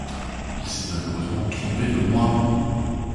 Il s'est malheureusement trompé de mois!